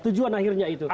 tujuan akhirnya itu